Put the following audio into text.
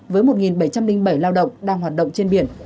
với một bảy trăm linh bảy lao động đang hoạt động trên biển